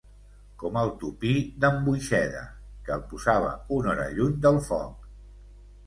Com el tupí d'en Boixeda, que el posava una hora lluny del foc.